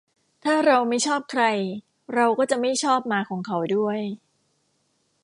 ถ้าเราไม่ชอบใคร เราก็จะไม่ชอบหมาของเขาด้วย